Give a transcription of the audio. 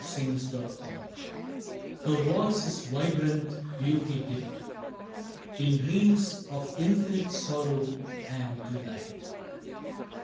SONG Her voice is vibrant beauty dipt In dreams of infinite sorrow and delight.